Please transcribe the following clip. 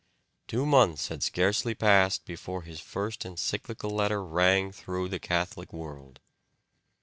Two months had scarcely passed before his first encyclical letter rang through the Catholic world.